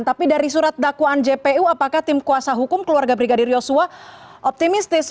tapi dari surat dakwaan jpu apakah tim kuasa hukum keluarga brigadir yosua optimistis